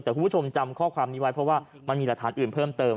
แต่คุณผู้ชมจำข้อความนี้ไว้เพราะว่ามันมีหลักฐานอื่นเพิ่มเติม